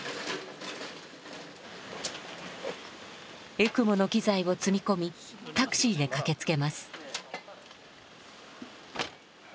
エクモの機材を積み込みタクシーで駆けつけます。